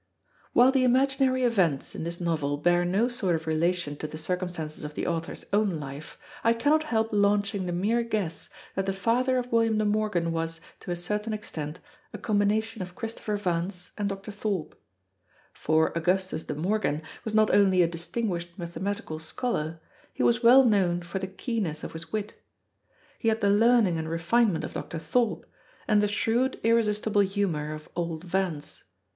While the imaginary events in this novel bear no sort of relation to the circumstances of the author's own life, I cannot help launching the mere guess that the father of William De Morgan was, to a certain extent, a combination of Christopher Vance and Dr. Thorpe. For Augustus De Morgan was not only a distinguished mathematical scholar, he was well known for the keenness of his wit. He had the learning and refinement of Dr. Thorpe, and the shrewd, irresistible humour of old Vance.